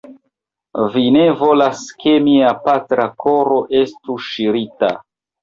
Vi ne volas, ke mia patra koro estu ŝirita.